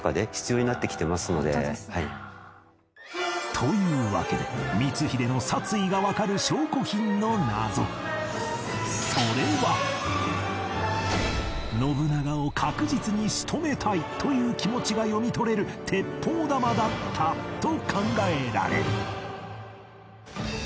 というわけでそれは信長を確実に仕留めたいという気持ちが読み取れる鉄砲玉だったと考えられる